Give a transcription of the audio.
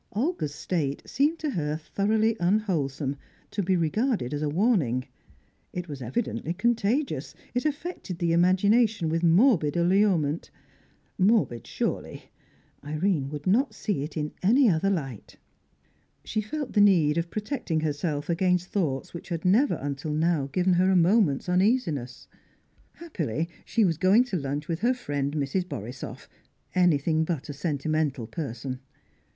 Olga's state seemed to her thoroughly unwholesome, to be regarded as a warning; it was evidently contagious; it affected the imagination with morbid allurement. Morbid, surely; Irene would not see it in any other light. She felt the need of protecting herself against thoughts which had never until now given her a moment's uneasiness. Happily she was going to lunch with her friend Mrs. Borisoff, anything but a sentimental person.